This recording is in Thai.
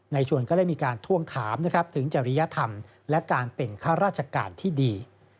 ชวนก็ได้มีการทวงถามนะครับถึงจริยธรรมและการเป็นข้าราชการที่ดี